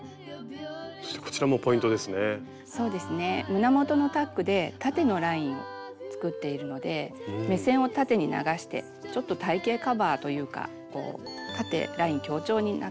胸元のタックで縦のラインを作っているので目線を縦に流してちょっと体型カバーというか縦ライン強調になっています。